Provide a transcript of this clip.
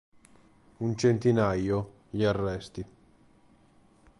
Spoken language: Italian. Un centinaio gli arresti.